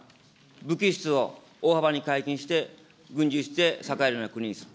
武器輸出を大幅に解禁して、軍事輸出で栄えるようにする。